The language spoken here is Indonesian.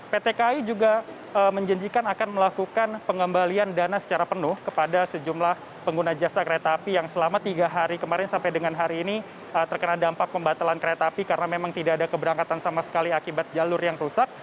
pt kai juga menjanjikan akan melakukan pengembalian dana secara penuh kepada sejumlah pengguna jasa kereta api yang selama tiga hari kemarin sampai dengan hari ini terkena dampak pembatalan kereta api karena memang tidak ada keberangkatan sama sekali akibat jalur yang rusak